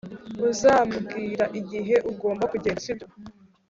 Uzambwira igihe ugomba kugenda sibyo